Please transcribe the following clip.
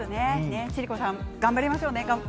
千里子さん頑張りましょうね。